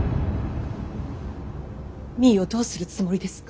実衣をどうするつもりですか。